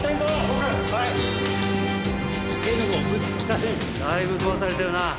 だいぶ飛ばされてるな。